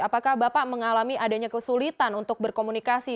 apakah bapak mengalami adanya kesulitan untuk berkomunikasi